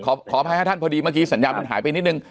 ขออภัยฮะท่านพอดีเมื่อกี้สัญญามันหายไปนิดนึง